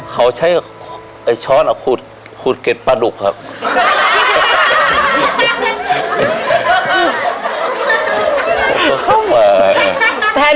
เป็นปลาดุกครับค่ะ